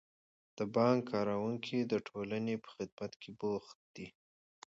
د بانک کارکوونکي د ټولنې په خدمت کې بوخت دي.